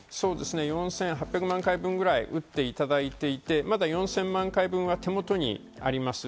そのうち、４８００万回分ぐらい打っていただいて、また４０００万回分は手元にあります。